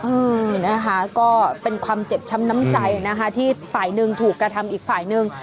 เออนะคะก็เป็นความเจ็บช้ำน้ำใจนะคะที่ฝ่ายหนึ่งถูกกระทำอีกฝ่ายหนึ่ง